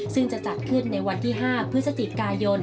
ซึ่งจะจัดขึ้นในวันที่๕พฤศจิกายน